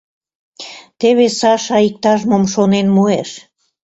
— Теве Саша иктаж-мом шонен муэш.